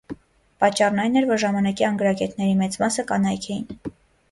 Պատճառն այն էր, որ ժամանակի անգրագետների մեծ մասը կանայք էին։